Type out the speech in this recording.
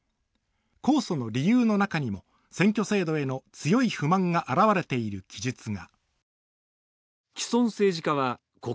控訴の理由の中に、選挙制度への強い不満が現れている記述が。